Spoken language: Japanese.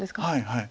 はい。